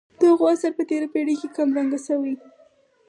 د هغو اثر په تېره پېړۍ کې کم رنګه شوی.